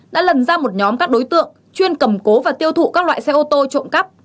đã lần ra một nhóm các đối tượng chuyên cầm cố và tiêu thụ các loại xe ô tô trộm cắp